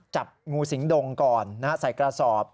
จับงูสิงดงก่อนใส่กระสอบ